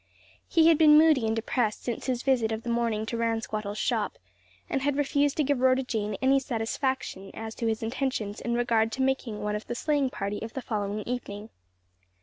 He had been moody and depressed since his visit of the morning to Ransquattle's shop, and had refused to give Rhoda Jane any satisfaction as to his intentions in regard to making one of the sleighing party of the following evening.